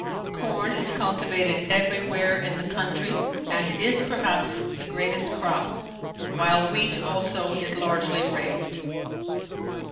Corn is cultivated everywhere in the country and is perhaps the greatest crop, while wheat also is largely raised.